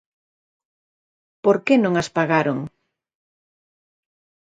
¿Por que non as pagaron?